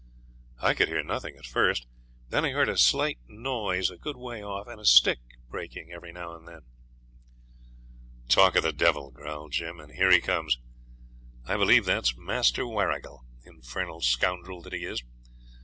I could hear nothing at first; then I heard a slight noise a good way off, and a stick breaking every now and then. 'Talk of the devil!' growled Jim, 'and here he comes. I believe that's Master Warrigal, infernal scoundrel that he is.